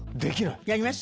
やります？